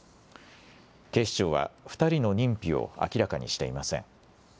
警視庁は２人の認否を明らかにしていません。